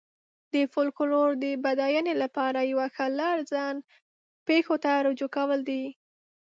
د فولکلور د بډاینې لپاره یوه ښه لار ځان پېښو ته رجوع کول دي.